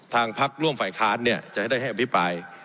ทางภักดิ์ร่วมฝ่ายคาร์ดเนี่ยจะได้ให้อภิปราย